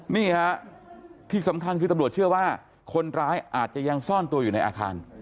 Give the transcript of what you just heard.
นี่ฮะที่สำคัญคือตำรวจเชื่อว่าคนร้ายอาจจะยังซ่อนตัวอยู่ในอาคาร